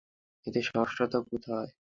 এতে সমস্যাটা কোথায়?